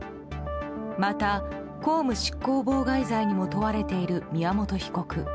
また、公務執行妨害罪にも問われている宮本被告。